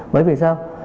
bởi vì sao